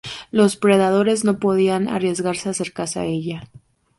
Los predadores no podían arriesgarse a acercarse a ella.